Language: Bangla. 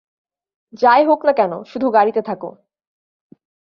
যাই হোক না কেন, শুধু গাড়িতে থাক।